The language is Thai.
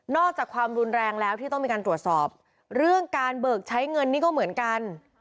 อกจากความรุนแรงแล้วที่ต้องมีการตรวจสอบเรื่องการเบิกใช้เงินนี่ก็เหมือนกัน